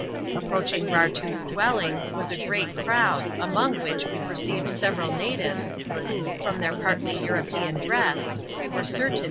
Approaching Rartoo's dwelling, was a great crowd, among which we perceived several naXYV^a, ^\io^ from their partly European dress, we were ceTtam ^\^ "swii^ t^\^^ m'l.